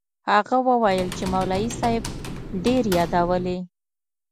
هغه وويل چې مولوي صاحب ډېر يادولې.